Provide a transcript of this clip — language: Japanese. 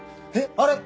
あれ！